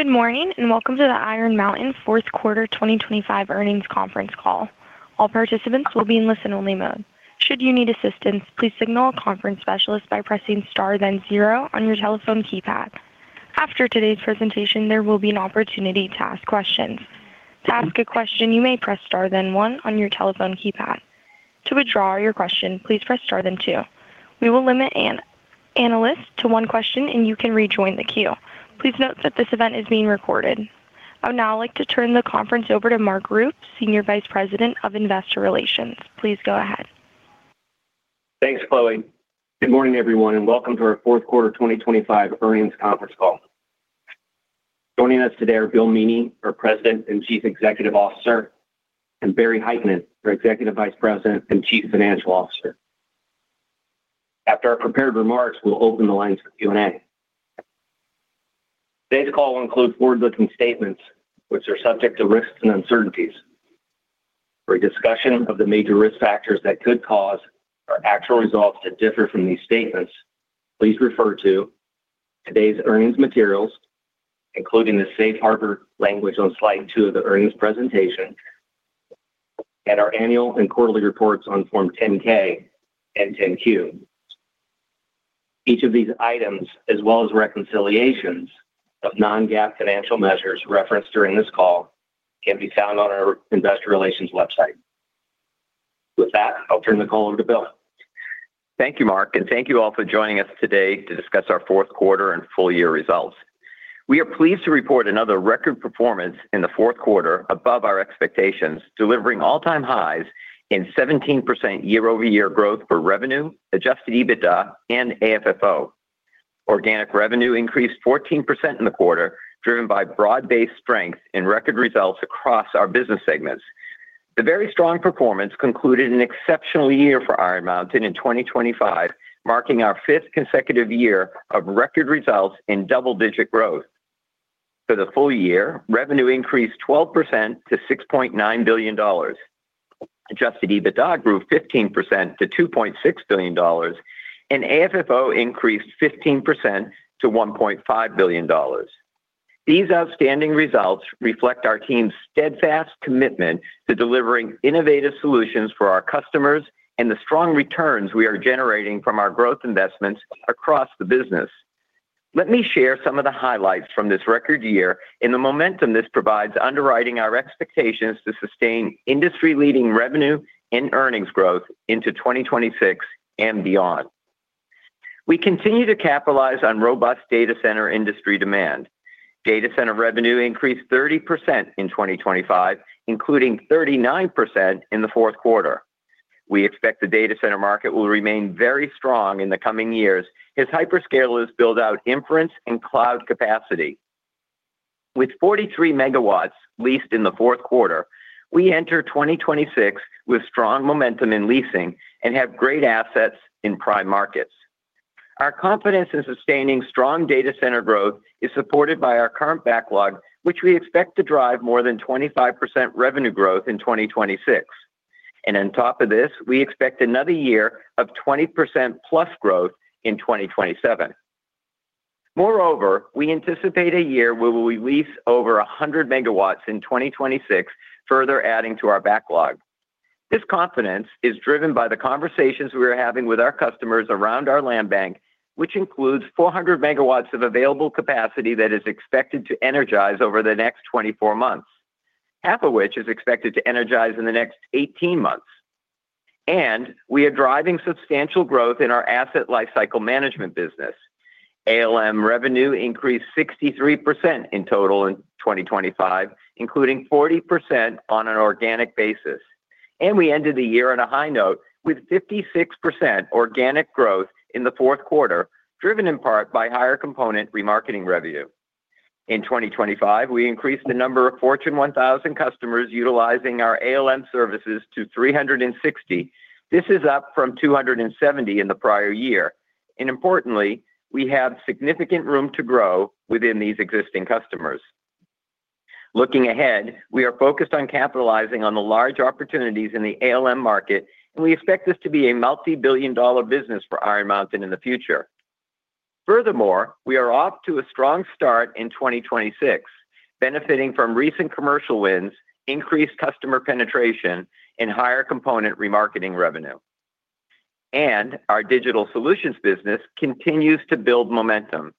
Good morning, and welcome to the Iron Mountain Fourth Quarter 2025 Earnings Conference Call. All participants will be in listen-only mode. Should you need assistance, please signal a conference specialist by pressing star then zero on your telephone keypad. After today's presentation, there will be an opportunity to ask questions. To ask a question, you may press star then one on your telephone keypad. To withdraw your question, please press Star then two. We will limit analysts to one question, and you can rejoin the queue. Please note that this event is being recorded. I would now like to turn the conference over to Mark Rupe, Senior Vice President of Investor Relations. Please go ahead. Thanks, Chloe. Good morning, everyone, and welcome to our fourth quarter 2025 Earnings Conference Call. Joining us today are Bill Meaney, our President and Chief Executive Officer, and Barry Hytinen, our Executive Vice President and Chief Financial Officer. After our prepared remarks, we'll open the lines for Q&A. Today's call will include forward-looking statements, which are subject to risks and uncertainties. For a discussion of the major risk factors that could cause our actual results to differ from these statements, please refer to today's earnings materials, including the safe harbor language on slide 2 of the earnings presentation and our annual and quarterly reports on Form 10-K and 10-Q. Each of these items, as well as reconciliations of non-GAAP financial measures referenced during this call, can be found on our investor relations website. With that, I'll turn the call over to Bill. Thank you, Mark, and thank you all for joining us today to discuss our fourth quarter and full year results. We are pleased to report another record performance in the fourth quarter above our expectations, delivering all-time highs in 17% year-over-year growth for revenue, adjusted EBITDA, and AFFO. Organic revenue increased 14% in the quarter, driven by broad-based strength in record results across our business segments. The very strong performance concluded an exceptional year for Iron Mountain in 2025, marking our fifth consecutive year of record results in double-digit growth. For the full year, revenue increased 12% to $6.9 billion. Adjusted EBITDA grew 15% to $2.6 billion, and AFFO increased 15% to $1.5 billion. These outstanding results reflect our team's steadfast commitment to delivering innovative solutions for our customers and the strong returns we are generating from our growth investments across the business. Let me share some of the highlights from this record year and the momentum this provides underwriting our expectations to sustain industry-leading revenue and earnings growth into 2026 and beyond. We continue to capitalize on robust data center industry demand. Data center revenue increased 30% in 2025, including 39% in the fourth quarter. We expect the data center market will remain very strong in the coming years as hyperscalers build out inference and cloud capacity. With 43 MW leased in the fourth quarter, we enter 2026 with strong momentum in leasing and have great assets in prime markets. Our confidence in sustaining strong data center growth is supported by our current backlog, which we expect to drive more than 25% revenue growth in 2026. And on top of this, we expect another year of 20%+ growth in 2027. Moreover, we anticipate a year where we will lease over 100 MW in 2026, further adding to our backlog. This confidence is driven by the conversations we are having with our customers around our land bank, which includes 400 MW of available capacity that is expected to energize over the next 24 months, half of which is expected to energize in the next 18 months. And we are driving substantial growth in our asset lifecycle management business. ALM revenue increased 63% in total in 2025, including 40% on an organic basis, and we ended the year on a high note with 56% organic growth in the fourth quarter, driven in part by higher component remarketing revenue. In 2025, we increased the number of Fortune 1000 customers utilizing our ALM services to 360. This is up from 270 in the prior year, and importantly, we have significant room to grow within these existing customers. Looking ahead, we are focused on capitalizing on the large opportunities in the ALM market, and we expect this to be a multibillion-dollar business for Iron Mountain in the future. Furthermore, we are off to a strong start in 2026, benefiting from recent commercial wins, increased customer penetration, and higher component remarketing revenue. Our digital solutions business continues to build momentum.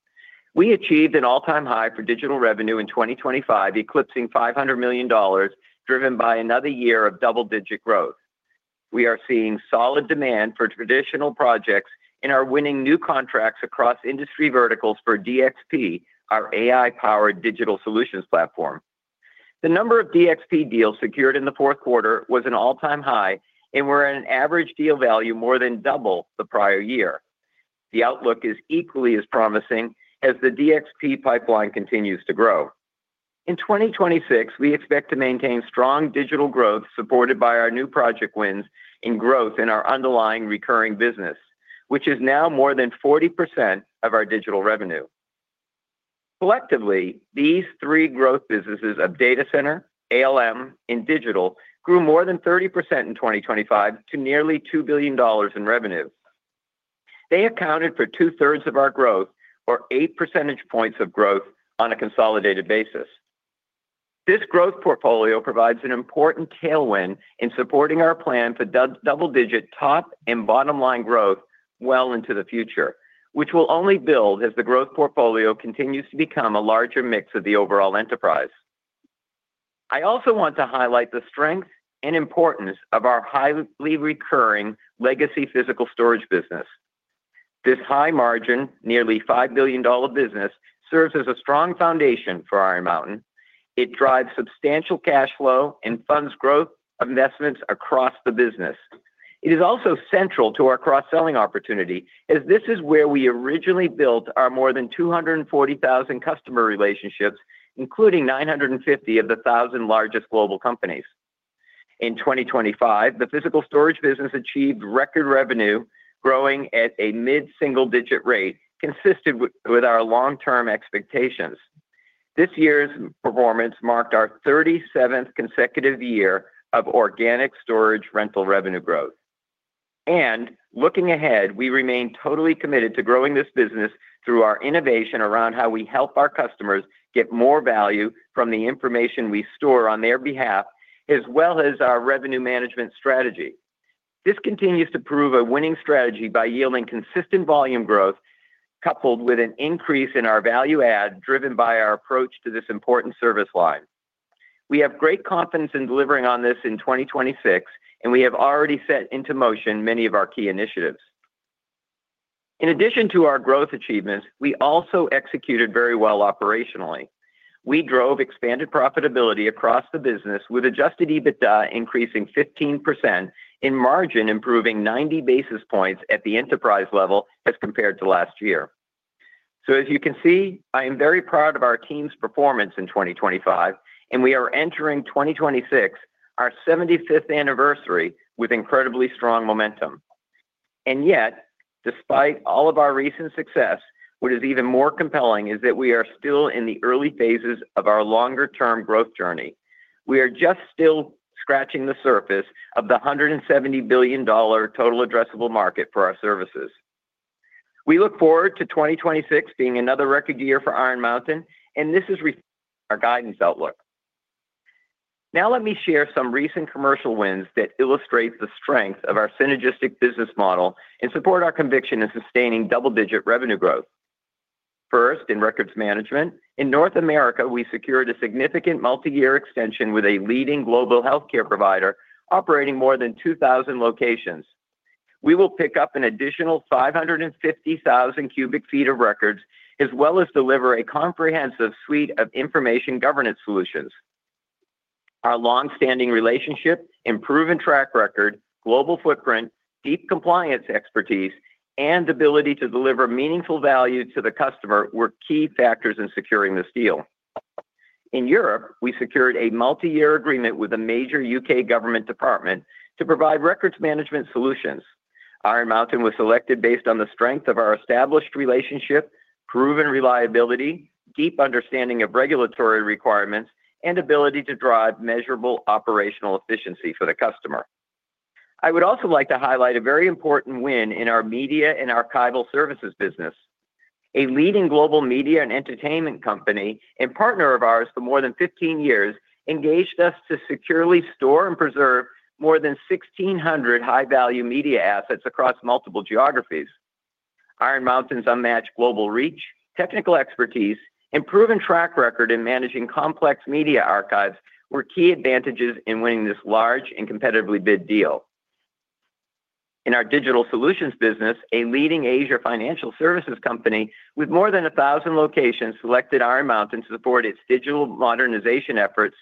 We achieved an all-time high for digital revenue in 2025, eclipsing $500 million, driven by another year of double-digit growth. We are seeing solid demand for traditional projects and are winning new contracts across industry verticals for DXP, our AI-powered digital solutions platform. The number of DXP deals secured in the fourth quarter was an all-time high, and we're at an average deal value more than double the prior year. The outlook is equally as promising as the DXP pipeline continues to grow. In 2026, we expect to maintain strong digital growth, supported by our new project wins and growth in our underlying recurring business, which is now more than 40% of our digital revenue. Collectively, these three growth businesses of data center, ALM, and digital grew more than 30% in 2025 to nearly $2 billion in revenue. They accounted for two-thirds of our growth or 8 percentage points of growth on a consolidated basis. This growth portfolio provides an important tailwind in supporting our plan for double-digit top and bottom-line growth well into the future, which will only build as the growth portfolio continues to become a larger mix of the overall enterprise. I also want to highlight the strength and importance of our highly recurring legacy physical storage business. This high margin, nearly $5 billion business, serves as a strong foundation for Iron Mountain. It drives substantial cash flow and funds growth investments across the business. It is also central to our cross-selling opportunity, as this is where we originally built our more than 240,000 customer relationships, including 950 of the 1,000 largest global companies. In 2025, the physical storage business achieved record revenue, growing at a mid-single-digit rate, consistent with our long-term expectations. This year's performance marked our 37th consecutive year of organic storage rental revenue growth. And looking ahead, we remain totally committed to growing this business through our innovation around how we help our customers get more value from the information we store on their behalf, as well as our revenue management strategy. This continues to prove a winning strategy by yielding consistent volume growth, coupled with an increase in our value add, driven by our approach to this important service line. We have great confidence in delivering on this in 2026, and we have already set into motion many of our key initiatives. In addition to our growth achievements, we also executed very well operationally. We drove expanded profitability across the business with adjusted EBITDA, increasing 15% in margin, improving 90 basis points at the enterprise level as compared to last year. So as you can see, I am very proud of our team's performance in 2025, and we are entering 2026, our 75th anniversary, with incredibly strong momentum. And yet, despite all of our recent success, what is even more compelling is that we are still in the early phases of our longer-term growth journey. We are just still scratching the surface of the $170 billion total addressable market for our services. We look forward to 2026 being another record year for Iron Mountain, and this is our guidance outlook. Now, let me share some recent commercial wins that illustrates the strength of our synergistic business model and support our conviction in sustaining double-digit revenue growth. First, in records management. In North America, we secured a significant multi-year extension with a leading global healthcare provider operating more than 2,000 locations. We will pick up an additional 550,000 cu ft of records, as well as deliver a comprehensive suite of information governance solutions. Our long-standing relationship, improving track record, global footprint, deep compliance expertise, and ability to deliver meaningful value to the customer were key factors in securing this deal. In Europe, we secured a multi-year agreement with a major U.K. government department to provide records management solutions. Iron Mountain was selected based on the strength of our established relationship, proven reliability, deep understanding of regulatory requirements, and ability to drive measurable operational efficiency for the customer. I would also like to highlight a very important win in our media and archival services business. A leading global media and entertainment company, and partner of ours for more than 15 years, engaged us to securely store and preserve more than 1,600 high-value media assets across multiple geographies. Iron Mountain's unmatched global reach, technical expertise, and proven track record in managing complex media archives were key advantages in winning this large and competitively bid deal. In our digital solutions business, a leading Asia financial services company with more than 1,000 locations, selected Iron Mountain to support its digital modernization efforts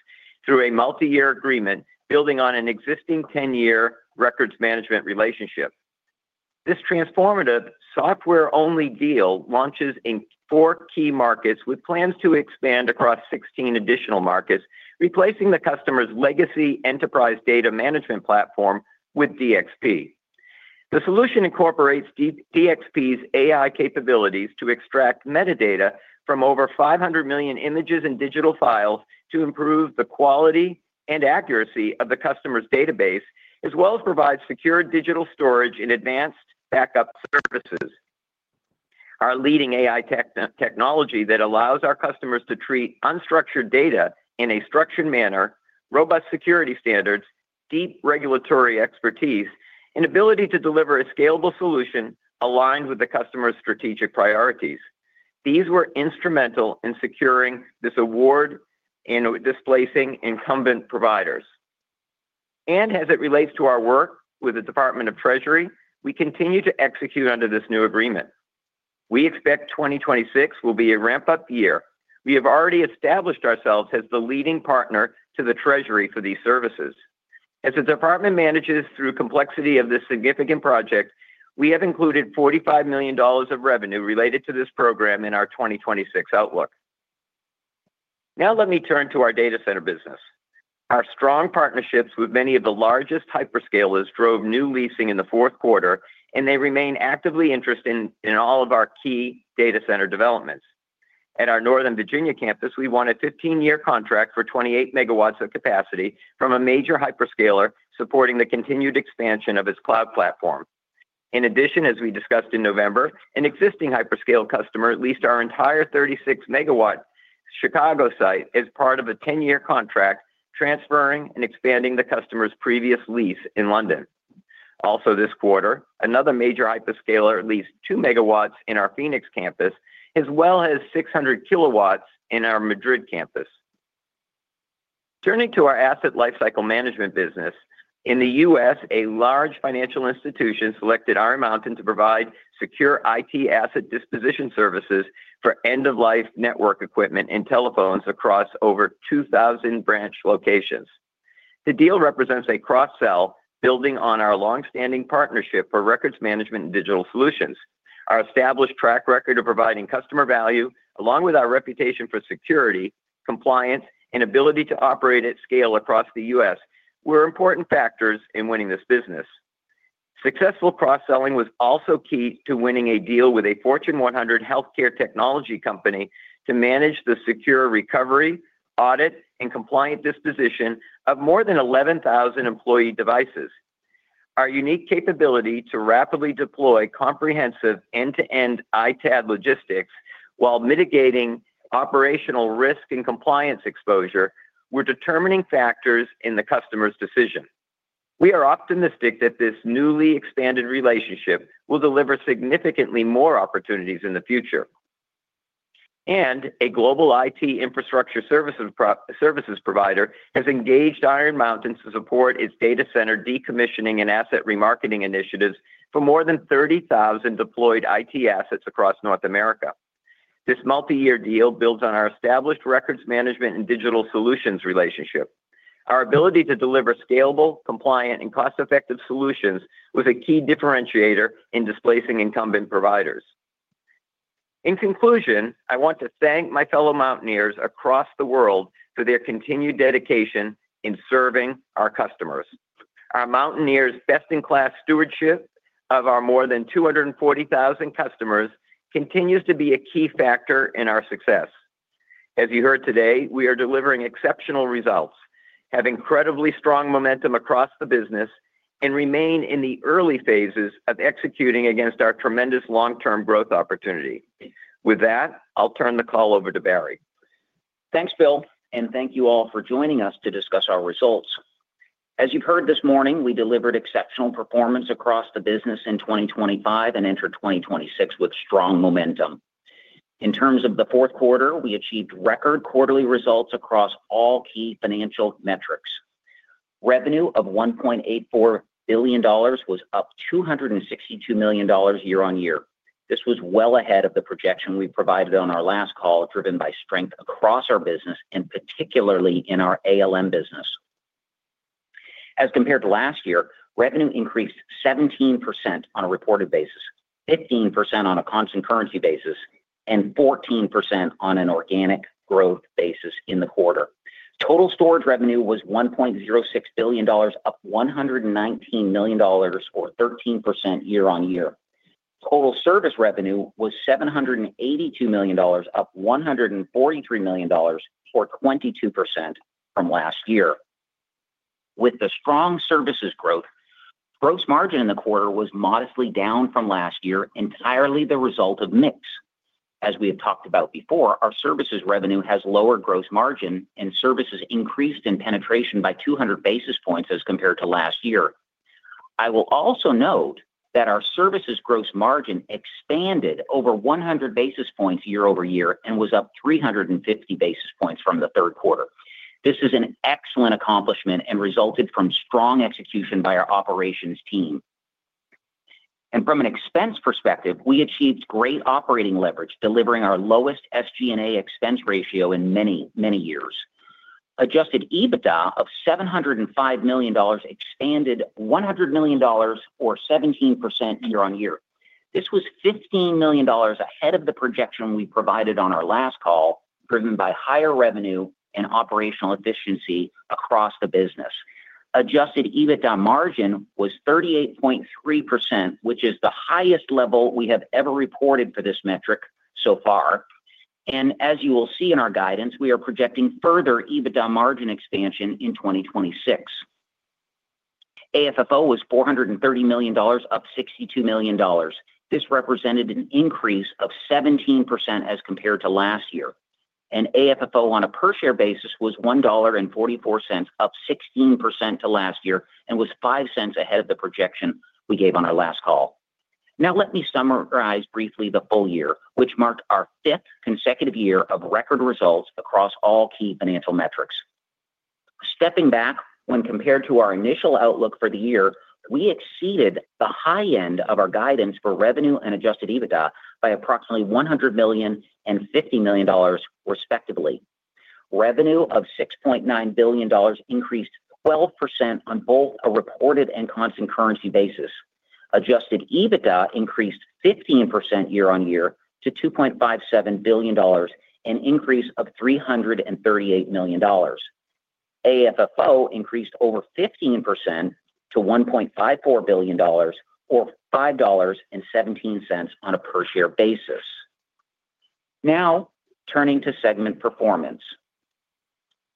through a multi-year agreement, building on an existing 10-year records management relationship. This transformative software-only deal launches in 4 key markets, with plans to expand across 16 additional markets, replacing the customer's legacy enterprise Data Management platform with DXP. The solution incorporates DXP's AI capabilities to extract metadata from over 500 million images and digital files to improve the quality and accuracy of the customer's database, as well as provide secure digital storage and advanced backup services. Our leading AI technology that allows our customers to treat unstructured data in a structured manner, robust security standards, deep regulatory expertise, and ability to deliver a scalable solution aligned with the customer's strategic priorities. These were instrumental in securing this award and displacing incumbent providers. As it relates to our work with the U.S. Department of Treasury, we continue to execute under this new agreement. We expect 2026 will be a ramp-up year. We have already established ourselves as the leading partner to the Treasury for these services. As the department manages through complexity of this significant project, we have included $45 million of revenue related to this program in our 2026 outlook. Now let me turn to our data center business. Our strong partnerships with many of the largest hyperscalers drove new leasing in the fourth quarter, and they remain actively interested in all of our key data center developments. At our Northern Virginia campus, we won a 15-year contract for 28 MW of capacity from a major hyperscaler supporting the continued expansion of its cloud platform. In addition, as we discussed in November, an existing hyperscale customer leased our entire 36-MW Chicago site as part of a 10-year contract, transferring and expanding the customer's previous lease in London. Also this quarter, another major hyperscaler leased 2 MW in our Phoenix campus, as well as 600 kW in our Madrid campus. Turning to our asset lifecycle management business, in the U.S., a large financial institution selected Iron Mountain to provide secure IT asset disposition services for end-of-life network equipment and telephones across over 2,000 branch locations. The deal represents a cross-sell, building on our long-standing partnership for records management and digital solutions. Our established track record of providing customer value, along with our reputation for security, compliance, and ability to operate at scale across the U.S., were important factors in winning this business. Successful cross-selling was also key to winning a deal with a Fortune 100 healthcare technology company to manage the secure recovery, audit, and compliant disposition of more than 11,000 employee devices. Our unique capability to rapidly deploy comprehensive end-to-end ITAD logistics while mitigating operational risk and compliance exposure were determining factors in the customer's decision. We are optimistic that this newly expanded relationship will deliver significantly more opportunities in the future. A global IT infrastructure services provider has engaged Iron Mountain to support its data center decommissioning and asset remarketing initiatives for more than 30,000 deployed IT assets across North America. This multi-year deal builds on our established records management and digital solutions relationship. Our ability to deliver scalable, compliant, and cost-effective solutions was a key differentiator in displacing incumbent providers. In conclusion, I want to thank my fellow Mountaineers across the world for their continued dedication in serving our customers. Our Mountaineers' best-in-class stewardship of our more than 240,000 customers continues to be a key factor in our success. As you heard today, we are delivering exceptional results, have incredibly strong momentum across the business, and remain in the early phases of executing against our tremendous long-term growth opportunity. With that, I'll turn the call over to Barry. Thanks, Bill, and thank you all for joining us to discuss our results. As you've heard this morning, we delivered exceptional performance across the business in 2025 and entered 2026 with strong momentum. In terms of the fourth quarter, we achieved record quarterly results across all key financial metrics. Revenue of $1.84 billion was up $262 million year-on-year. This was well ahead of the projection we provided on our last call, driven by strength across our business and particularly in our ALM business. As compared to last year, revenue increased 17% on a reported basis, 15% on a constant currency basis, and 14% on an organic growth basis in the quarter. Total storage revenue was $1.06 billion, up $119 million or 13% year-on-year. Total service revenue was $782 million, up $143 million, or 22% from last year. With the strong services growth, gross margin in the quarter was modestly down from last year, entirely the result of mix. As we have talked about before, our services revenue has lower gross margin, and services increased in penetration by 200 basis points as compared to last year. I will also note that our services gross margin expanded over 100 basis points year over year and was up 350 basis points from the third quarter. This is an excellent accomplishment and resulted from strong execution by our operations team. From an expense perspective, we achieved great operating leverage, delivering our lowest SG&A expense ratio in many, many years. Adjusted EBITDA of $705 million expanded $100 million or 17% year-on-year. This was $15 million ahead of the projection we provided on our last call, driven by higher revenue and operational efficiency across the business. Adjusted EBITDA margin was 38.3%, which is the highest level we have ever reported for this metric so far. And as you will see in our guidance, we are projecting further EBITDA margin expansion in 2026. AFFO was $430 million, up $62 million. This represented an increase of 17% as compared to last year, and AFFO on a per share basis was $1.44, up 16% to last year and was $0.05 ahead of the projection we gave on our last call. Now, let me summarize briefly the full year, which marked our fifth consecutive year of record results across all key financial metrics. Stepping back, when compared to our initial outlook for the year, we exceeded the high end of our guidance for revenue and adjusted EBITDA by approximately $100 million and $50 million, respectively. Revenue of $6.9 billion increased 12% on both a reported and constant currency basis. Adjusted EBITDA increased 15% year-over-year to $2.57 billion, an increase of $338 million. AFFO increased over 15% to $1.54 billion or $5.17 on a per share basis. Now, turning to segment performance.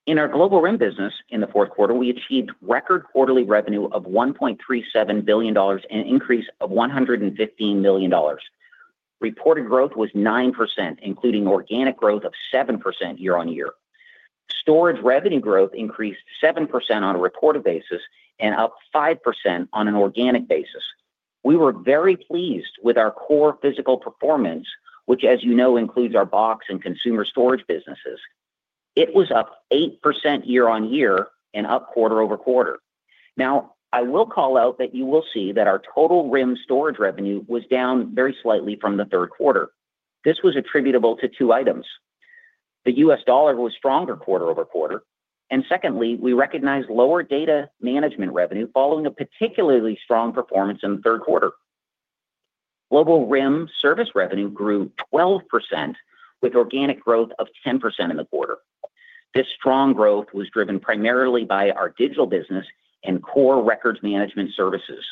In our Global RIM business, in the fourth quarter, we achieved record quarterly revenue of $1.37 billion, an increase of $115 million. Reported growth was 9%, including organic growth of 7% year-on-year. Storage revenue growth increased 7% on a reported basis and up 5% on an organic basis. We were very pleased with our core physical performance, which as you know, includes our box and consumer storage businesses. It was up 8% year-on-year and up quarter-over-quarter. Now, I will call out that you will see that our total RIM storage revenue was down very slightly from the third quarter. This was attributable to two items. The US dollar was stronger quarter-over-quarter, and secondly, we recognized lower data management revenue following a particularly strong performance in the third quarter. Global RIM service revenue grew 12%, with organic growth of 10% in the quarter. This strong growth was driven primarily by our digital business and core records management services.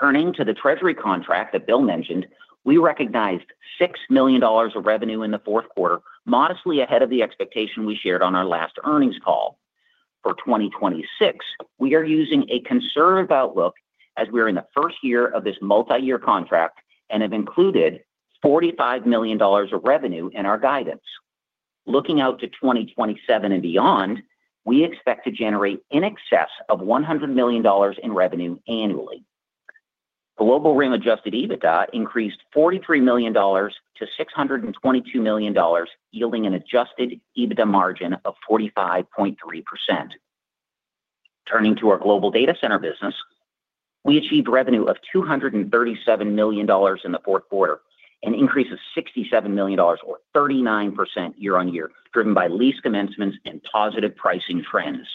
Turning to the Treasury contract that Bill mentioned, we recognized $6 million of revenue in the fourth quarter, modestly ahead of the expectation we shared on our last earnings call. For 2026, we are using a conservative outlook as we are in the first year of this multi-year contract and have included $45 million of revenue in our guidance. Looking out to 2027 and beyond, we expect to generate in excess of $100 million in revenue annually. Global RIM adjusted EBITDA increased $43 million to $622 million, yielding an adjusted EBITDA margin of 45.3%. Turning to our global data center business, we achieved revenue of $237 million in the fourth quarter, an increase of $67 million or 39% year-on-year, driven by lease commencements and positive pricing trends.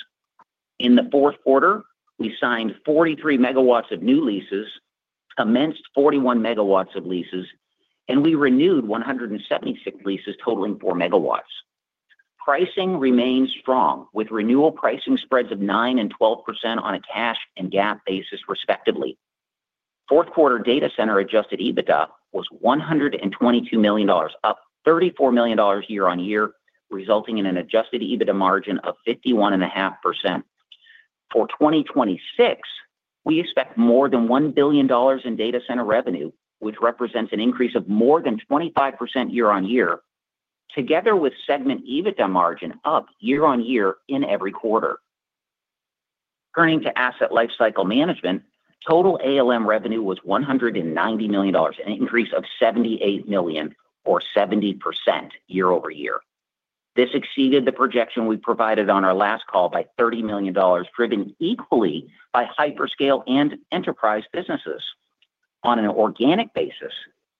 In the fourth quarter, we signed 43 MW of new leases, commenced 41 MW of leases, and we renewed 176 leases totaling 4 MW. Pricing remains strong, with renewal pricing spreads of 9% and 12% on a cash and GAAP basis, respectively. Fourth quarter data center adjusted EBITDA was $122 million, up $34 million year-on-year, resulting in an adjusted EBITDA margin of 51.5%. For 2026, we expect more than $1 billion in data center revenue, which represents an increase of more than 25% year-on-year, together with segment EBITDA margin up year-on-year in every quarter. Turning to asset lifecycle management, total ALM revenue was $190 million, an increase of $78 million or 70% year-over-year. This exceeded the projection we provided on our last call by $30 million, driven equally by hyperscale and enterprise businesses. On an organic basis,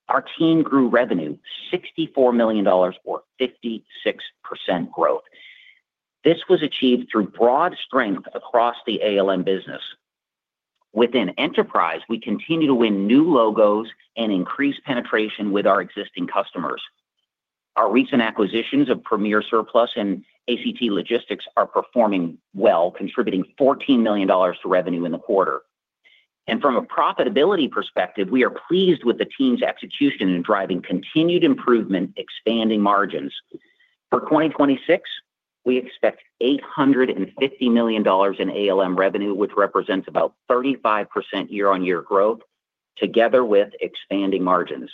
our team grew revenue $64 million or 56% growth. This was achieved through broad strength across the ALM business. Within enterprise, we continue to win new logos and increase penetration with our existing customers. Our recent acquisitions of Premier Surplus and ACT Logistics are performing well, contributing $14 million to revenue in the quarter. From a profitability perspective, we are pleased with the team's execution in driving continued improvement, expanding margins. For 2026, we expect $850 million in ALM revenue, which represents about 35% year-over-year growth, together with expanding margins.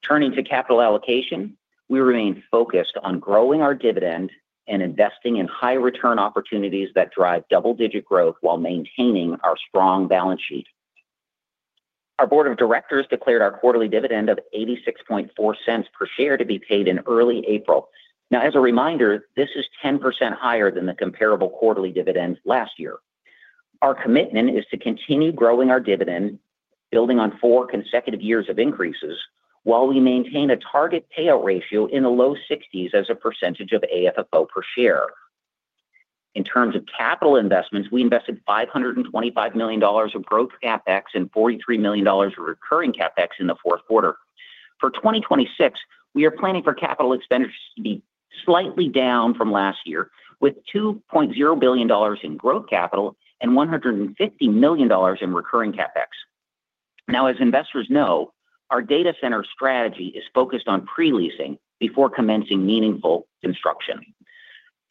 Turning to capital allocation, we remain focused on growing our dividend and investing in high return opportunities that drive double-digit growth while maintaining our strong balance sheet. Our board of directors declared our quarterly dividend of $0.864 per share to be paid in early April. Now, as a reminder, this is 10% higher than the comparable quarterly dividend last year. Our commitment is to continue growing our dividend, building on four consecutive years of increases while we maintain a target payout ratio in the low 60s% of AFFO per share. In terms of capital investments, we invested $525 million of growth CapEx and $43 million of recurring CapEx in the fourth quarter. For 2026, we are planning for capital expenditures to be slightly down from last year, with $2.0 billion in growth capital and $150 million in recurring CapEx. Now, as investors know, our data center strategy is focused on pre-leasing before commencing meaningful construction.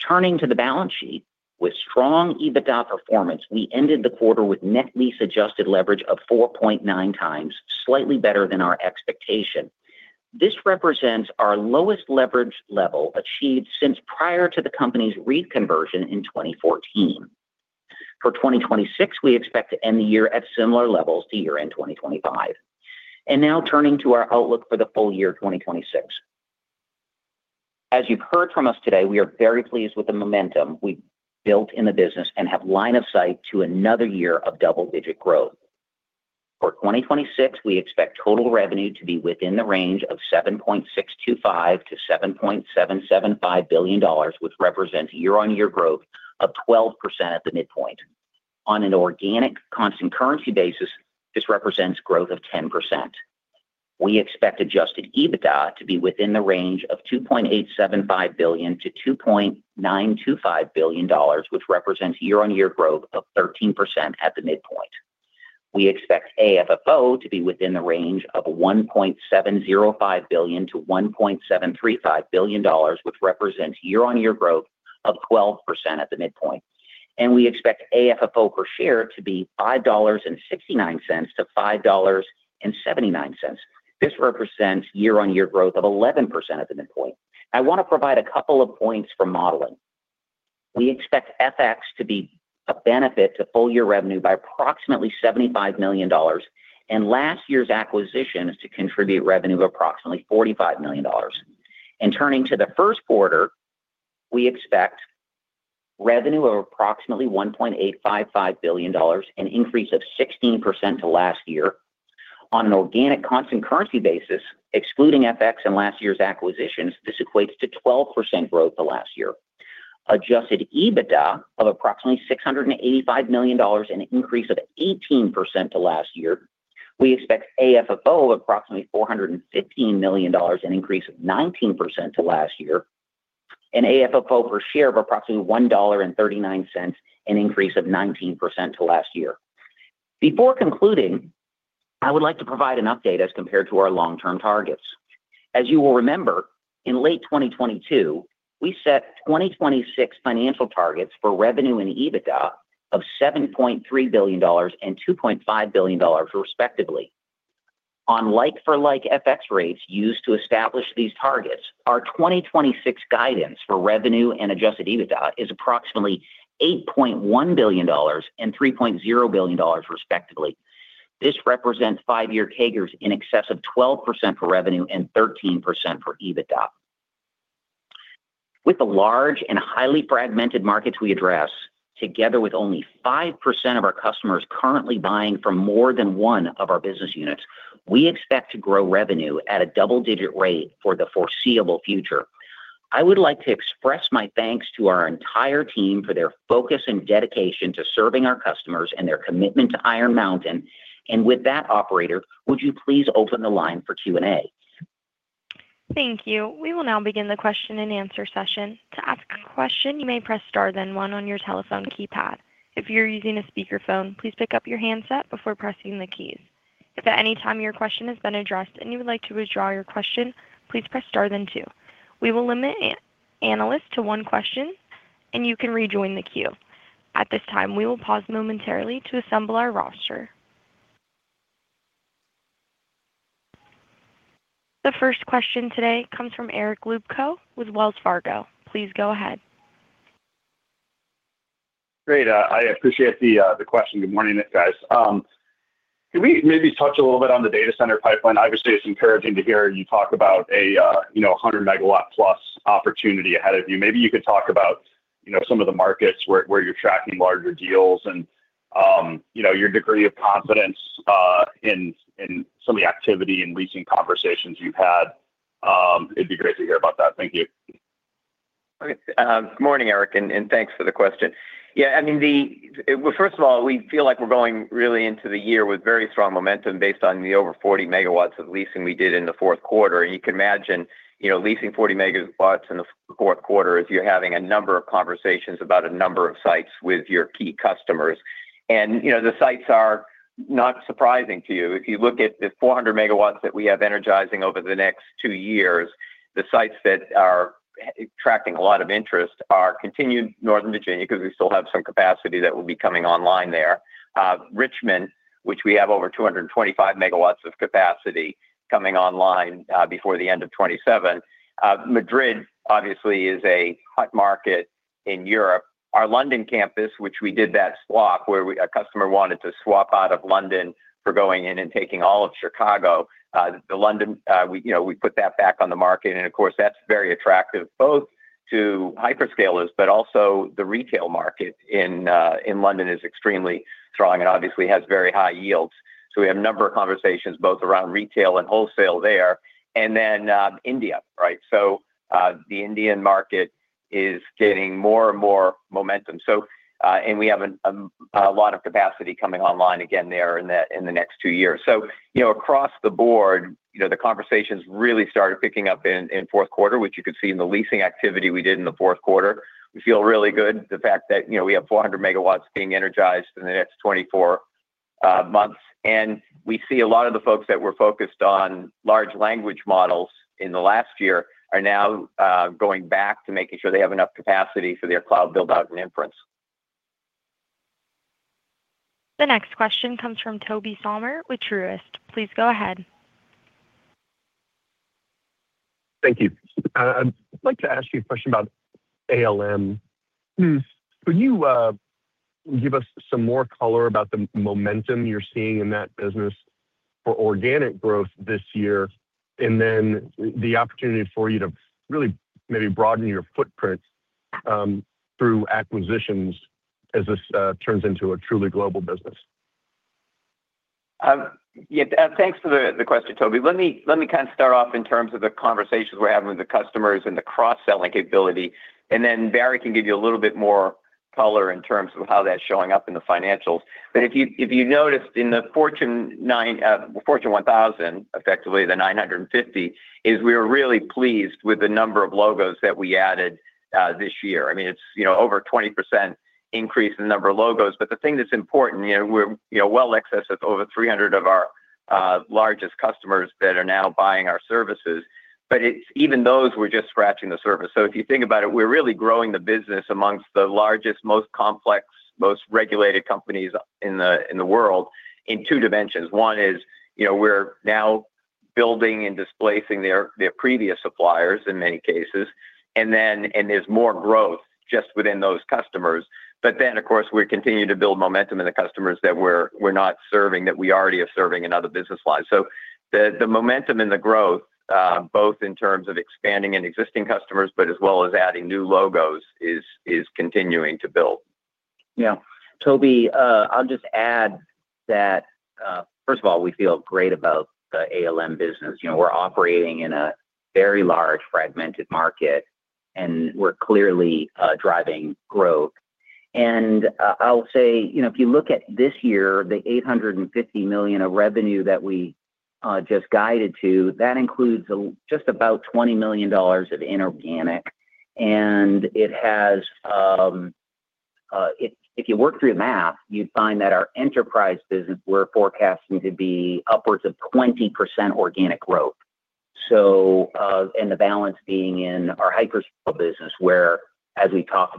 Turning to the balance sheet, with strong EBITDA performance, we ended the quarter with net lease adjusted leverage of 4.9x, slightly better than our expectation. This represents our lowest leverage level achieved since prior to the company's REIT conversion in 2014. For 2026, we expect to end the year at similar levels to year-end 2025. Now turning to our outlook for the full year 2026. As you've heard from us today, we are very pleased with the momentum we've built in the business and have line of sight to another year of double-digit growth. For 2026, we expect total revenue to be within the range of $7.625 billion-$7.775 billion, which represents year-on-year growth of 12% at the midpoint. On an organic constant currency basis, this represents growth of 10%. We expect adjusted EBITDA to be within the range of $2.875 billion-$2.925 billion, which represents year-on-year growth of 13% at the midpoint. We expect AFFO to be within the range of $1.705 billion-$1.735 billion, which represents year-on-year growth of 12% at the midpoint. We expect AFFO per share to be $5.69-$5.79. This represents year-on-year growth of 11% at the midpoint. I want to provide a couple of points for modeling. We expect FX to be a benefit to full year revenue by approximately $75 million, and last year's acquisitions to contribute revenue of approximately $45 million. Turning to the first quarter, we expect revenue of approximately $1.855 billion, an increase of 16% to last year. On an organic constant currency basis, excluding FX and last year's acquisitions, this equates to 12% growth to last year. Adjusted EBITDA of approximately $685 million, an increase of 18% to last year. We expect AFFO of approximately $415 million, an increase of 19% to last year, and AFFO per share of approximately $1.39, an increase of 19% to last year. Before concluding, I would like to provide an update as compared to our long-term targets. As you will remember, in late 2022, we set 2026 financial targets for revenue and EBITDA of $7.3 billion and $2.5 billion, respectively. On like-for-like FX rates used to establish these targets, our 2026 guidance for revenue and adjusted EBITDA is approximately $8.1 billion and $3.0 billion, respectively. This represents five-year CAGRs in excess of 12% for revenue and 13% for EBITDA. With the large and highly fragmented markets we address, together with only 5% of our customers currently buying from more than one of our business units, we expect to grow revenue at a double-digit rate for the foreseeable future. I would like to express my thanks to our entire team for their focus and dedication to serving our customers and their commitment to Iron Mountain. With that, operator, would you please open the line for Q&A? Thank you. We will now begin the question-and-answer session. To ask a question, you may press star, then one on your telephone keypad. If you're using a speakerphone, please pick up your handset before pressing the keys. If at any time your question has been addressed and you would like to withdraw your question, please press star then two. We will limit analysts to one question, and you can rejoin the queue. At this time, we will pause momentarily to assemble our roster. The first question today comes from Eric Luebchow with Wells Fargo. Please go ahead. Great. I appreciate the question. Good morning, guys. Can we maybe touch a little bit on the data center pipeline? Obviously, it's encouraging to hear you talk about a, you know, a 100 MW+ opportunity ahead of you. Maybe you could talk about, you know, some of the markets where you're tracking larger deals and, you know, your degree of confidence in some of the activity and leasing conversations you've had. It'd be great to hear about that. Thank you. Okay. Good morning, Eric, and thanks for the question. Yeah, I mean, the... Well, first of all, we feel like we're going really into the year with very strong momentum based on the over 40 megawatts of leasing we did in the fourth quarter. And you can imagine, you know, leasing 40 megawatts in the fourth quarter is you're having a number of conversations about a number of sites with your key customers. And, you know, the sites are not surprising to you. If you look at the 400 megawatts that we have energizing over the next two years, the sites that are attracting a lot of interest are continued Northern Virginia, because we still have some capacity that will be coming online there. Richmond, which we have over 225 megawatts of capacity coming online, before the end of 2027. Madrid, obviously, is a hot market in Europe. Our London campus, which we did that swap, where a customer wanted to swap out of London for going in and taking all of Chicago. The London, we, you know, we put that back on the market, and of course, that's very attractive both to hyperscalers, but also the retail market in London is extremely strong and obviously has very high yields. So we have a number of conversations both around retail and wholesale there, and then, India, right? So, the Indian market is getting more and more momentum. So, and we have a lot of capacity coming online again there in the next two years. So, you know, across the board, you know, the conversations really started picking up in, in fourth quarter, which you can see in the leasing activity we did in the fourth quarter. We feel really good the fact that, you know, we have 400 MW being energized in the next 24 months. And we see a lot of the folks that were focused on large language models in the last year are now going back to making sure they have enough capacity for their cloud build-out and inference. The next question comes from Tobey Sommer with Truist. Please go ahead. Thank you. I'd like to ask you a question about ALM. Mm-hmm. Could you give us some more color about the momentum you're seeing in that business for organic growth this year, and then the opportunity for you to really maybe broaden your footprint through acquisitions as this turns into a truly global business? Yeah, thanks for the question, Toby. Let me kind of start off in terms of the conversations we're having with the customers and the cross-selling capability, and then Barry can give you a little bit more.... color in terms of how that's showing up in the financials. But if you noticed in the Fortune 1000, effectively the 950, we were really pleased with the number of logos that we added this year. I mean, it's, you know, over 20% increase in the number of logos. But the thing that's important, you know, we're, you know, well in excess of over 300 of our largest customers that are now buying our services, but it's—even those, we're just scratching the surface. So if you think about it, we're really growing the business amongst the largest, most complex, most regulated companies in the world in two dimensions. One is, you know, we're now building and displacing their previous suppliers in many cases, and then there's more growth just within those customers. But then, of course, we're continuing to build momentum in the customers that we're not serving, that we already are serving in other business lines. So the momentum and the growth, both in terms of expanding in existing customers, but as well as adding new logos, is continuing to build. Yeah. Toby, I'll just add that, first of all, we feel great about the ALM business. You know, we're operating in a very large, fragmented market, and we're clearly driving growth. And I'll say, you know, if you look at this year, the $850 million of revenue that we just guided to, that includes just about $20 million of inorganic, and it has, if you work through the math, you'd find that our enterprise business, we're forecasting to be upwards of 20% organic growth. So, and the balance being in our hyperscale business, where, as we talked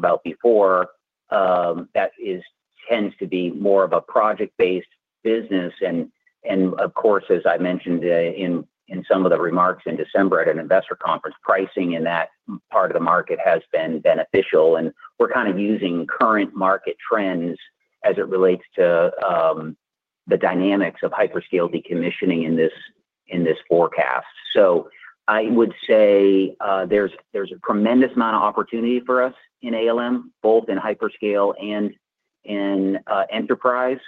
about before, that tends to be more of a project-based business. Of course, as I mentioned, in some of the remarks in December at an investor conference, pricing in that part of the market has been beneficial, and we're kind of using current market trends as it relates to the dynamics of hyperscale decommissioning in this forecast. So I would say, there's a tremendous amount of opportunity for us in ALM, both in hyperscale and in enterprise.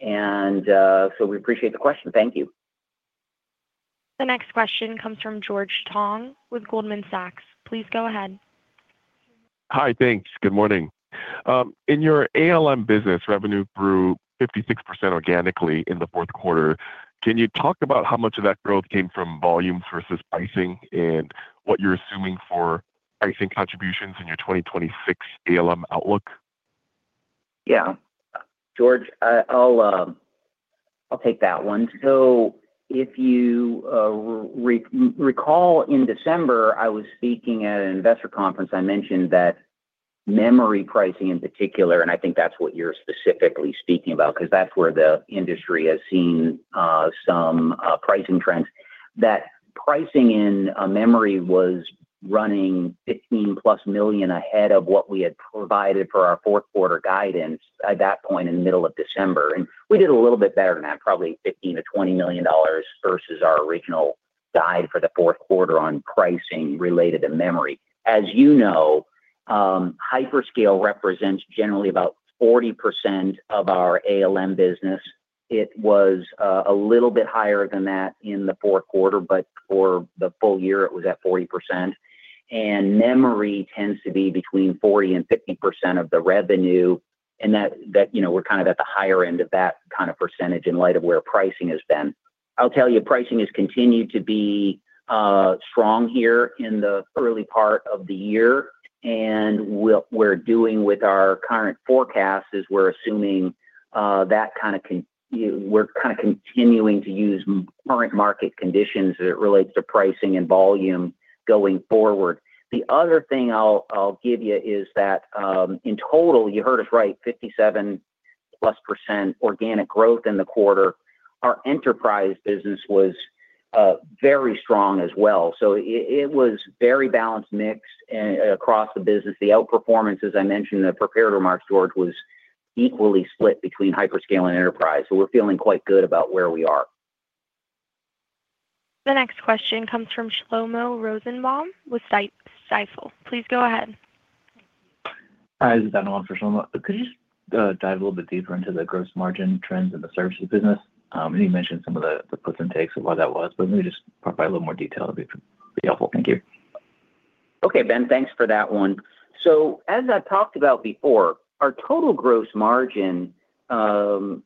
So we appreciate the question. Thank you. The next question comes from George Tong with Goldman Sachs. Please go ahead. Hi, thanks. Good morning. In your ALM business, revenue grew 56% organically in the fourth quarter. Can you talk about how much of that growth came from volumes versus pricing and what you're assuming for pricing contributions in your 2026 ALM outlook? Yeah. George, I'll take that one. So if you recall in December, I was speaking at an investor conference, I mentioned that memory pricing in particular, and I think that's what you're specifically speaking about, 'cause that's where the industry has seen some pricing trends. That pricing in memory was running $15+ million ahead of what we had provided for our fourth quarter guidance at that point in the middle of December. And we did a little bit better than that, probably $15 million-$20 million versus our original guide for the fourth quarter on pricing related to memory. As you know, hyperscaler represents generally about 40% of our ALM business. It was a little bit higher than that in the fourth quarter, but for the full year, it was at 40%. Memory tends to be between 40%-50% of the revenue, and that, that, you know, we're kind of at the higher end of that kind of percentage in light of where pricing has been. I'll tell you, pricing has continued to be strong here in the early part of the year, and we're doing with our current forecast is we're assuming that kind of we're kind of continuing to use current market conditions as it relates to pricing and volume going forward. The other thing I'll give you is that, in total, you heard us right, 57%+ organic growth in the quarter. Our enterprise business was very strong as well, so it was very balanced mix across the business. The outperformance, as I mentioned in the prepared remarks, George, was equally split between hyperscale and enterprise, so we're feeling quite good about where we are. The next question comes from Shlomo Rosenbaum with Stifel. Please go ahead. Hi, this is Shlomo. Could you just dive a little bit deeper into the gross margin trends in the services business? And you mentioned some of the puts and takes of why that was, but let me just provide a little more detail. It'd be helpful. Thank you. Okay, Shlomo, thanks for that one. So as I've talked about before, our total gross margin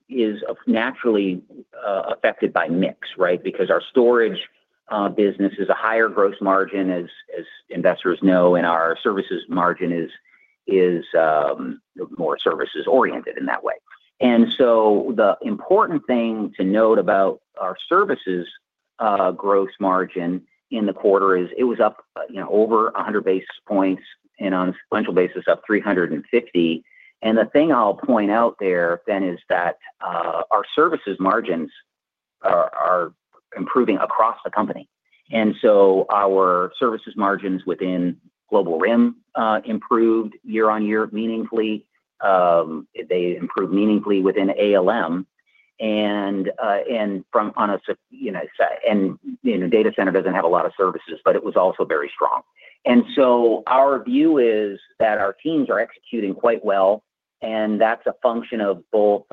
is naturally affected by mix, right? Because our storage business is a higher gross margin, as investors know, and our services margin is more services-oriented in that way. And so the important thing to note about our services gross margin in the quarter is it was up, you know, over 100 basis points and on a sequential basis, up 350. And the thing I'll point out there then is that our services margins are improving across the company. And so our services margins within Global RIM improved year-on-year, meaningfully. They improved meaningfully within ALM, and services, you know, and Data Center doesn't have a lot of services, but it was also very strong. And so our view is that our teams are executing quite well, and that's a function of both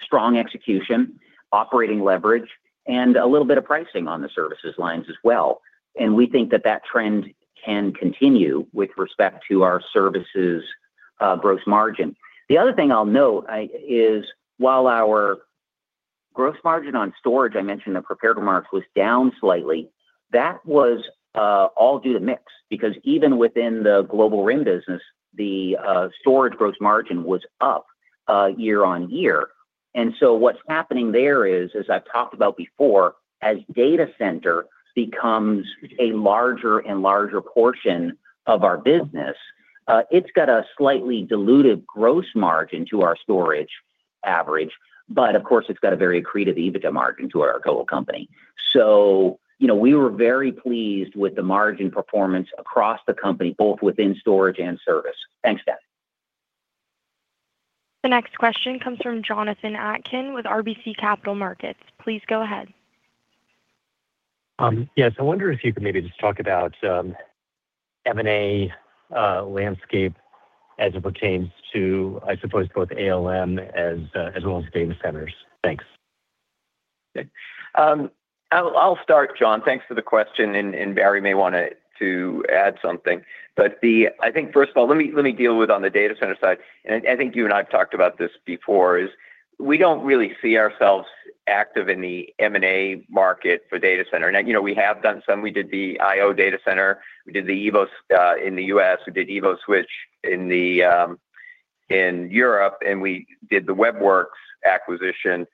strong execution, operating leverage, and a little bit of pricing on the services lines as well. And we think that that trend can continue with respect to our services gross margin. The other thing I'll note is while our gross margin on storage, I mentioned the prepared remarks, was down slightly. That was all due to mix, because even within the global RIM business, the storage gross margin was up year-over-year. And so what's happening there is, as I've talked about before, as data center becomes a larger and larger portion of our business, it's got a slightly diluted gross margin to our storage average, but of course, it's got a very accretive EBITDA margin to our total company. So, you know, we were very pleased with the margin performance across the company, both within storage and service. Thanks, Bill. The next question comes from Jonathan Atkin with RBC Capital Markets. Please go ahead. Yes. I wonder if you could maybe just talk about M&A landscape as it pertains to, I suppose, both ALM as well as data centers. Thanks. I'll start, John. Thanks for the question, and Barry may want to add something. But I think, first of all, let me deal with on the data center side, and I think you and I have talked about this before, is we don't really see ourselves active in the M&A market for data center. Now, you know, we have done some. We did the IO Data Centers in the US, we did EvoSwitch in the in Europe, and we did the Web Werks acquisition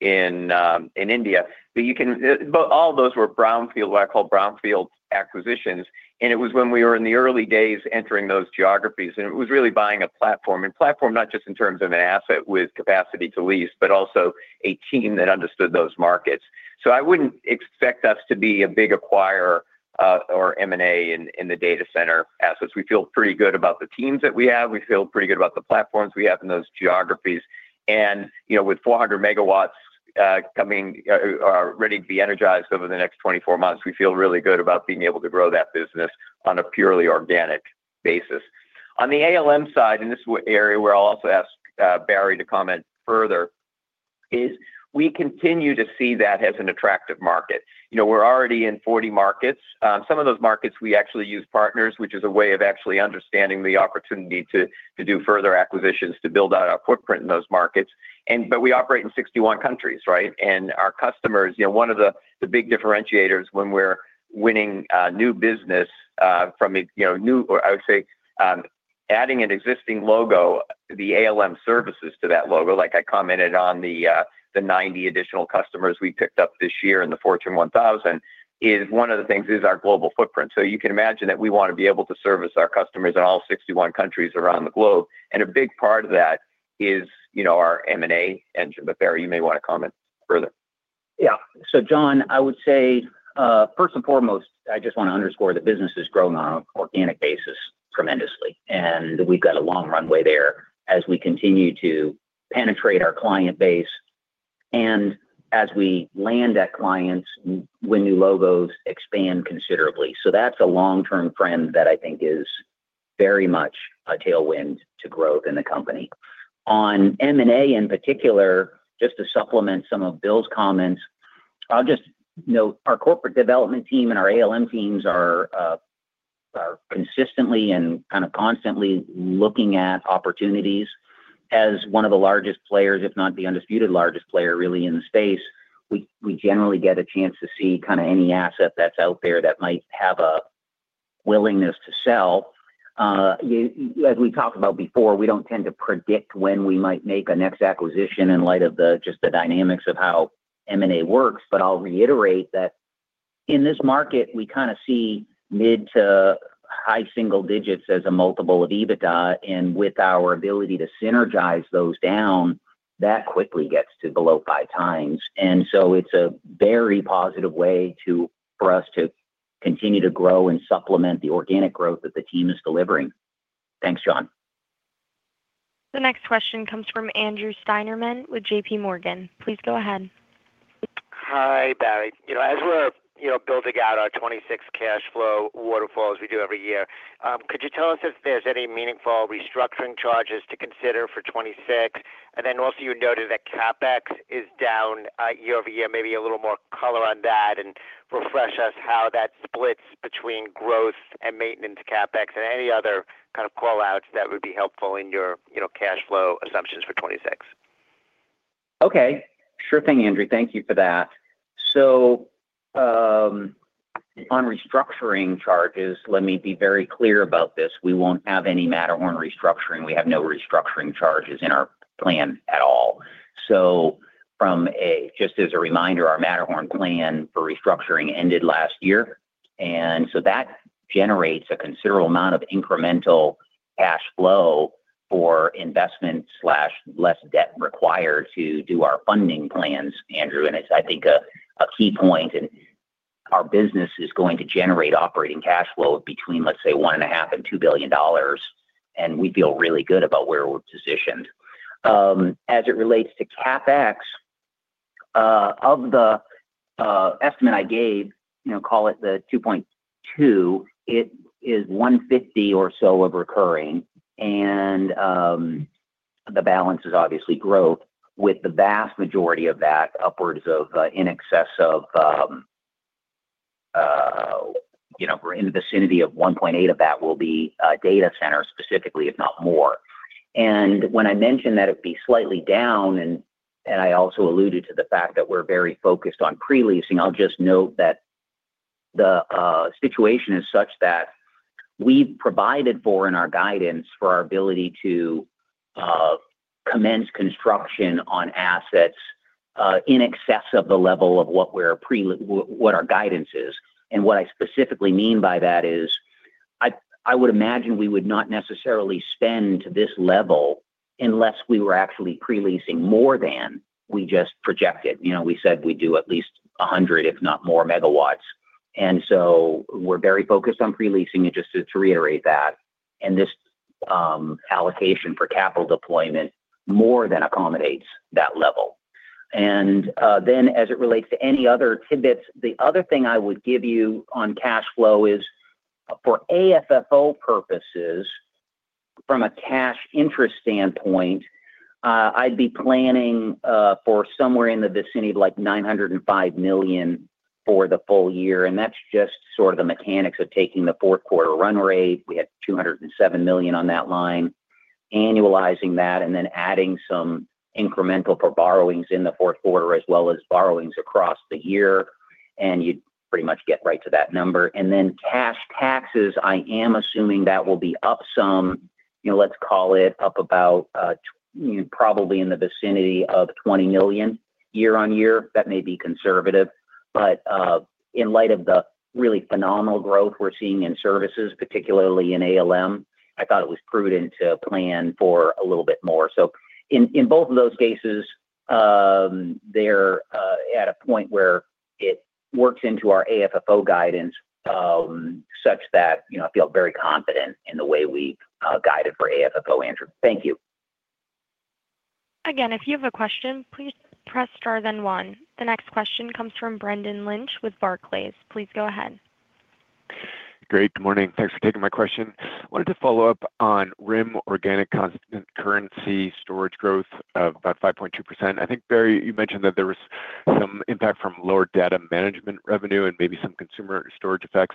in in India. But you can... But all those were brownfield, what I call brownfield acquisitions, and it was when we were in the early days entering those geographies, and it was really buying a platform. Platform, not just in terms of an asset with capacity to lease, but also a team that understood those markets. So I wouldn't expect us to be a big acquirer, or M&A in the data center assets. We feel pretty good about the teams that we have. We feel pretty good about the platforms we have in those geographies. And, you know, with 400 megawatts coming ready to be energized over the next 24 months, we feel really good about being able to grow that business on a purely organic basis. On the ALM side, and this is area where I'll also ask Barry to comment further, is we continue to see that as an attractive market. You know, we're already in 40 markets. Some of those markets, we actually use partners, which is a way of actually understanding the opportunity to do further acquisitions, to build out our footprint in those markets. But we operate in 61 countries, right? And our customers, you know, one of the big differentiators when we're winning new business from a, you know, new or I would say, adding an existing logo, the ALM services to that logo, like I commented on the 90 additional customers we picked up this year in the Fortune 1000, is one of the things is our global footprint. So you can imagine that we want to be able to service our customers in all 61 countries around the globe. And a big part of that is, you know, our M&A engine. But Barry, you may want to comment further. Yeah. So, John, I would say, first and foremost, I just want to underscore the business is growing on an organic basis tremendously, and we've got a long runway there as we continue to penetrate our client base and as we land that clients, when new logos expand considerably. So that's a long-term trend that I think is very much a tailwind to growth in the company. On M&A, in particular, just to supplement some of Bill's comments, I'll just note our corporate development team and our ALM teams are consistently and kind of constantly looking at opportunities. As one of the largest players, if not the undisputed largest player, really, in the space, we generally get a chance to see kind of any asset that's out there that might have a willingness to sell. As we talked about before, we don't tend to predict when we might make a next acquisition in light of just the dynamics of how M&A works. But I'll reiterate that in this market, we kind of see mid- to high single digits as a multiple of EBITDA, and with our ability to synergize those down, that quickly gets to below 5x. So it's a very positive way for us to continue to grow and supplement the organic growth that the team is delivering. Thanks, John. The next question comes from Andrew Steinerman with JPMorgan. Please go ahead. Hi, Barry. You know, as we're, you know, building out our 2026 cash flow waterfall, as we do every year, could you tell us if there's any meaningful restructuring charges to consider for 2026? And then also, you noted that CapEx is down, year-over-year. Maybe a little more color on that, and refresh us how that splits between growth and maintenance CapEx, and any other kind of call-outs that would be helpful in your, you know, cash flow assumptions for 2026. Okay. Sure thing, Andrew. Thank you for that. So, on restructuring charges, let me be very clear about this: we won't have any Matterhorn restructuring. We have no restructuring charges in our plan at all. So just as a reminder, our Matterhorn plan for restructuring ended last year, and so that generates a considerable amount of incremental cash flow for investment slash less debt required to do our funding plans, Andrew, and it's, I think, a, a key point. And our business is going to generate operating cash flow of between, let's say, $1.5 billion-$2 billion, and we feel really good about where we're positioned. As it relates to CapEx-... Of the estimate I gave, you know, call it the 2.2, it is 150 or so of recurring, and the balance is obviously growth, with the vast majority of that upwards of, in excess of, you know, we're in the vicinity of 1.8 of that will be data center specifically, if not more. And when I mentioned that it'd be slightly down, and I also alluded to the fact that we're very focused on pre-leasing, I'll just note that the situation is such that we've provided for in our guidance for our ability to commence construction on assets in excess of the level of what we're pre-leasing, what our guidance is. And what I specifically mean by that is, I would imagine we would not necessarily spend to this level unless we were actually pre-leasing more than we just projected. You know, we said we'd do at least 100, if not more megawatts, and so we're very focused on pre-leasing it, just to reiterate that. And this allocation for capital deployment more than accommodates that level. And then as it relates to any other tidbits, the other thing I would give you on cash flow is for AFFO purposes, from a cash interest standpoint, I'd be planning for somewhere in the vicinity of, like, $905 million for the full year, and that's just sort of the mechanics of taking the fourth quarter run rate. We had $207 million on that line. Annualizing that and then adding some incremental for borrowings in the fourth quarter, as well as borrowings across the year, and you'd pretty much get right to that number. Then cash taxes, I am assuming that will be up some, you know, let's call it up about, probably in the vicinity of $20 million year-on-year. That may be conservative, but, in light of the really phenomenal growth we're seeing in services, particularly in ALM, I thought it was prudent to plan for a little bit more. So in, in both of those cases, they're, at a point where it works into our AFFO guidance, such that, you know, I feel very confident in the way we've, guided for AFFO, Andrew. Thank you. Again, if you have a question, please press star then one. The next question comes from Brendan Lynch with Barclays. Please go ahead. Great, good morning. Thanks for taking my question. I wanted to follow up on RIM organic constant currency storage growth of about 5.2%. I think, Barry, you mentioned that there was some impact from lower data management revenue and maybe some consumer storage effects.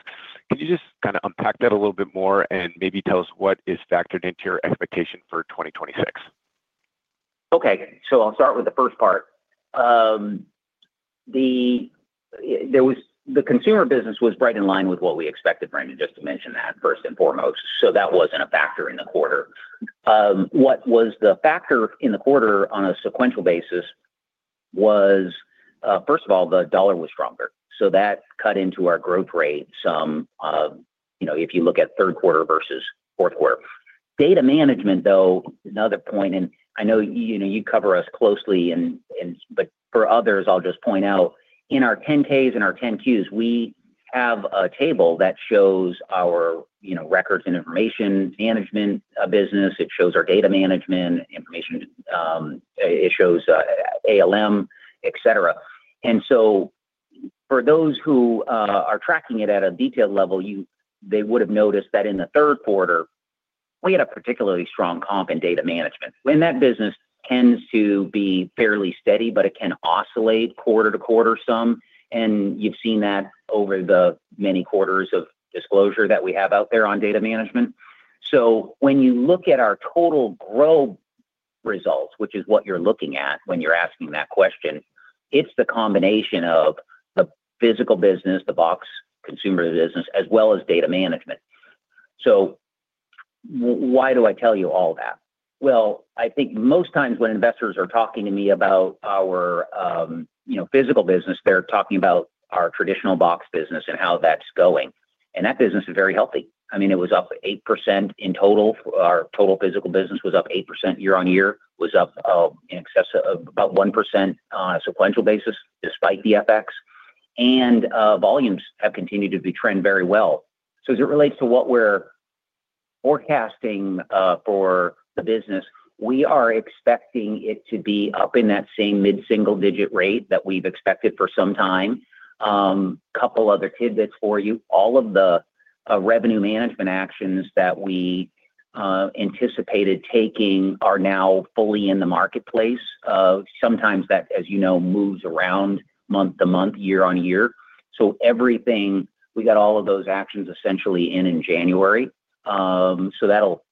Could you just kind of unpack that a little bit more and maybe tell us what is factored into your expectation for 2026? Okay. So I'll start with the first part. The consumer business was right in line with what we expected, Brendan, just to mention that first and foremost. So that wasn't a factor in the quarter. What was the factor in the quarter on a sequential basis was, first of all, the US dollar was stronger, so that cut into our growth rate some, you know, if you look at third quarter versus fourth quarter. Data management, though, another point, and I know, you know, you cover us closely and, and, but for others, I'll just point out in our 10-Ks and our 10-Qs, we have a table that shows our, you know, Records and Information Management business. It shows our data management information. It shows ALM, et cetera. So for those who are tracking it at a detailed level, they would have noticed that in the third quarter, we had a particularly strong comp in data management. That business tends to be fairly steady, but it can oscillate quarter to quarter some, and you've seen that over the many quarters of disclosure that we have out there on data management. Why do I tell you all that? Well, I think most times when investors are talking to me about our, you know, physical business, they're talking about our traditional box business and how that's going, and that business is very healthy. I mean, it was up 8% in total. Our total physical business was up 8% year-on-year, was up in excess of about 1% on a sequential basis, despite the FX, and volumes have continued to trend very well. So as it relates to what we're forecasting for the business, we are expecting it to be up in that same mid-single-digit rate that we've expected for some time. Couple other tidbits for you. All of the revenue management actions that we anticipated taking are now fully in the marketplace. Sometimes that, as you know, moves around month-to-month, year-on-year. So everything, we got all of those actions essentially in January. So that'll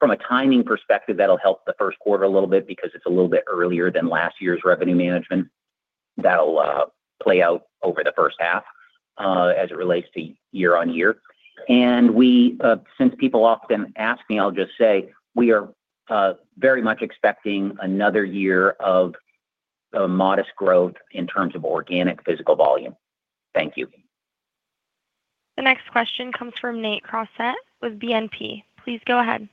from a timing perspective, that'll help the first quarter a little bit because it's a little bit earlier than last year's revenue management. That'll play out over the first half, as it relates to year-on-year. And we, since people often ask me, I'll just say we are very much expecting another year of a modest growth in terms of organic physical volume. Thank you. The next question comes from Nate Crossett with BNP. Please go ahead.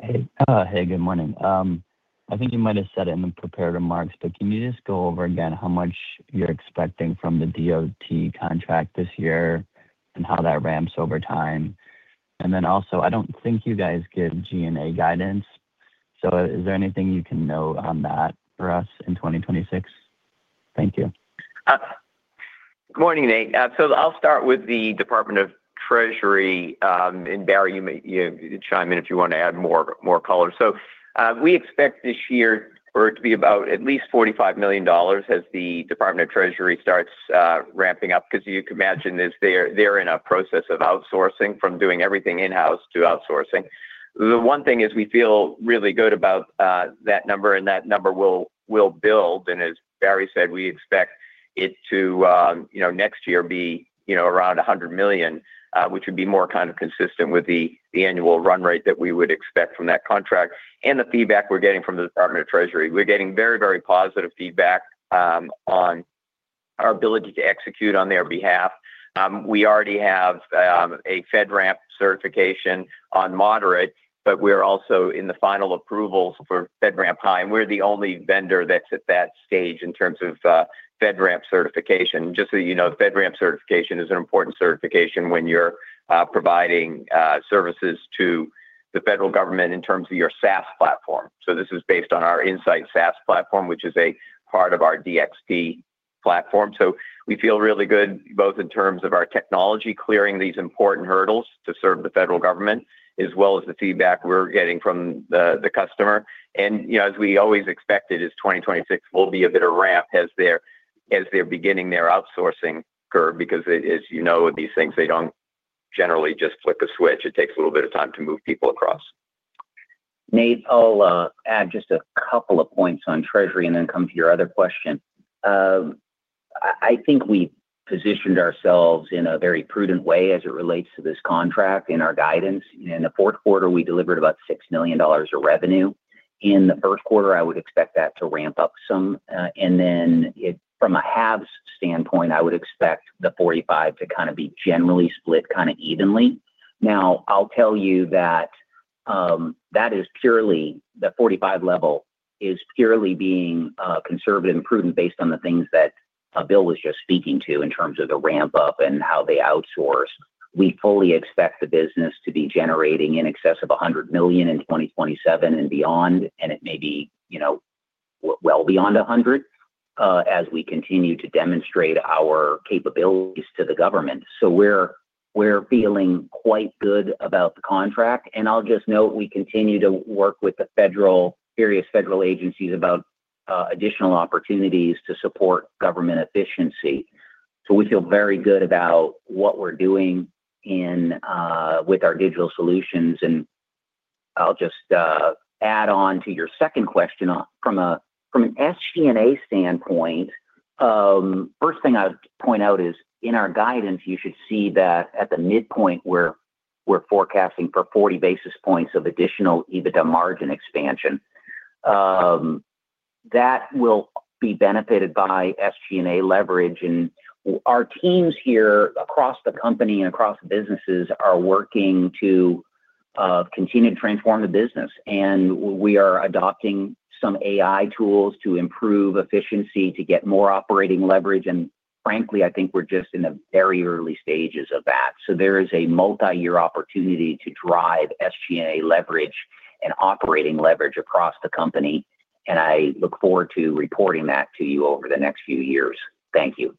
Hey, hey, good morning. I think you might have said it in the prepared remarks, but can you just go over again how much you're expecting from the DOT contract this year and how that ramps over time? And then also, I don't think you guys give G&A guidance, so is there anything you can note on that for us in 2026? Thank you. Good morning, Nate. So I'll start with the U.S. Department of Treasury, and, Barry, you may, you chime in if you want to add more color. So, we expect this year for it to be about at least $45 million as the U.S. Department of Treasury starts ramping up, because you can imagine as they're in a process of outsourcing, from doing everything in-house to outsourcing. The one thing is we feel really good about that number, and that number will build, and as Barry said, we expect it to, you know, around $100 million, which would be more kind of consistent with the annual run rate that we would expect from that contract and the feedback we're getting from the U.S. Department of Treasury. We're getting very, very positive feedback on our ability to execute on their behalf. We already have a FedRAMP certification on Moderate, but we're also in the final approvals for FedRAMP High, and we're the only vendor that's at that stage in terms of FedRAMP certification. Just so you know, FedRAMP certification is an important certification when you're providing services to the federal government in terms of your SaaS platform. So this is based on our InSight SaaS platform, which is a part of our DXP platform. So we feel really good, both in terms of our technology, clearing these important hurdles to serve the federal government, as well as the feedback we're getting from the, the customer. You know, as we always expected, is 2026 will be a bit of ramp as they're beginning their outsourcing curve, because as you know, these things, they don't generally just flip a switch. It takes a little bit of time to move people across. Nate, I'll add just a couple of points on Treasury and then come to your other question. I think we positioned ourselves in a very prudent way as it relates to this contract and our guidance. In the fourth quarter, we delivered about $6 million of revenue. In the first quarter, I would expect that to ramp up some, and then, from a halves standpoint, I would expect the $45 million to kind of be generally split kinda evenly. Now, I'll tell you that, that is purely the $45 million level is purely being conservative and prudent based on the things that Bill was just speaking to in terms of the ramp-up and how they outsource. We fully expect the business to be generating in excess of $100 million in 2027 and beyond, and it may be, you know, well beyond $100 million, as we continue to demonstrate our capabilities to the government. So we're feeling quite good about the contract, and I'll just note, we continue to work with the federal, various federal agencies about additional opportunities to support government efficiency. So we feel very good about what we're doing with our digital solutions, and I'll just add on to your second question. From a, from an SG&A standpoint, first thing I would point out is in our guidance, you should see that at the midpoint where we're forecasting for 40 basis points of additional EBITDA margin expansion, that will be benefited by SG&A leverage. Our teams here across the company and across businesses are working to continue to transform the business, and we are adopting some AI tools to improve efficiency, to get more operating leverage, and frankly, I think we're just in the very early stages of that. There is a multi-year opportunity to drive SG&A leverage and operating leverage across the company, and I look forward to reporting that to you over the next few years. Thank you.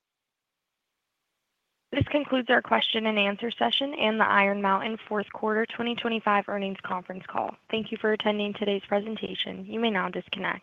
This concludes our question-and-answer session and the Iron Mountain fourth quarter 2025 earnings conference call. Thank you for attending today's presentation. You may now disconnect.